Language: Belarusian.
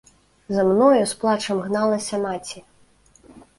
За мною з плачам гналася маці.